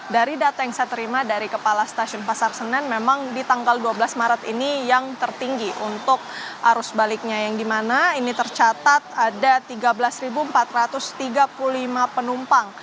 dari data yang saya terima dari kepala stasiun pasar senen memang di tanggal dua belas maret ini yang tertinggi untuk arus baliknya yang dimana ini tercatat ada tiga belas empat ratus tiga puluh lima penumpang